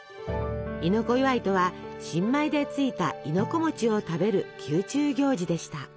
「亥の子祝い」とは新米でついた亥の子を食べる宮中行事でした。